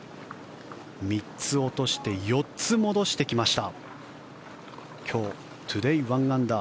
３つ落として４つ戻してきました。